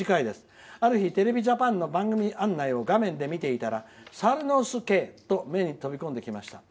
ある日、テレビジャパンの番組案内を画面で見ていたらさるのすけと目に飛び込んできました。